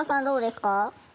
どうですか？